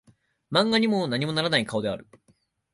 漫画にも何もならない顔である